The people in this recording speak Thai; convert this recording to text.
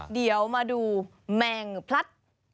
เดี๋ยวมาดูแมงพลัด